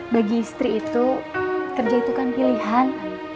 bagi istri itu kerja itu kan pilihan